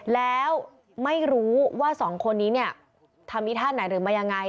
แล้วไม่รู้ว่าสองคนนี้ทำอีธาตุไหนหรือไม่ยังไง